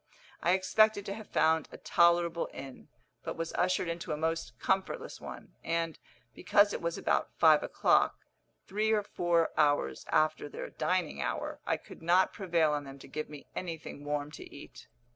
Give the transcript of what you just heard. I expected to have found a tolerable inn, but was ushered into a most comfortless one; and, because it was about five o'clock, three or four hours after their dining hour, I could not prevail on them to give me anything warm to eat.